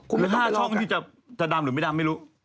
คุณค่าช่องที่จะดำหรือไม่ดำไม่รู้